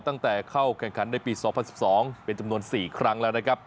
ตั้งแต่เข้าแข่งขันในปี๒๐๑๒เป็นจำนวน๔ครั้งแล้วนะครับ